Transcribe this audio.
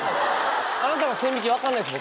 あなたの線引き分かんないです